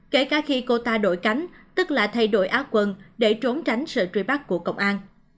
kể cả khi cô ta đổi cánh tức là thay đổi áo quần để trốn tránh sự truy bắt của cộng an